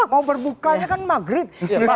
mau berbukanya kan maghrib